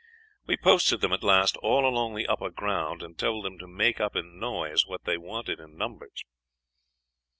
We posted them at last all along the upper ground, and told them to make up in noise what they wanted in numbers.